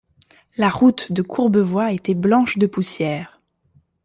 La route de Courbevoie était blanche de poussière.